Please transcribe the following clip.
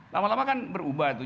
lama lama kan berubah tuh